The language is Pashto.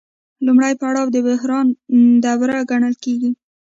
لومړی پړاو د بحران دوره ګڼل کېږي